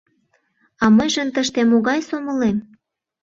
— А мыйжын тыште могай сомылем?